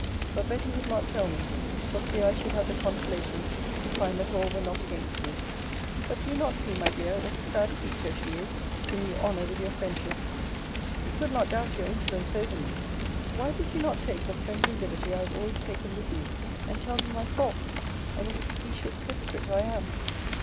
But Betty would not tell me, for fear I should have the consolation to find that all were not against me. But do you not see, my dear, what a sad creature she is whom you honour with your friendship? You could not doubt your influence over me: Why did you not take the friendly liberty I have always taken with you, and tell me my faults, and what a specious hypocrite I am?